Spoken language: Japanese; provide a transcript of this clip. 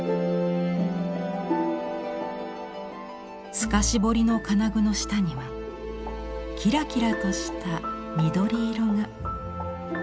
透かし彫りの金具の下にはキラキラとした緑色が。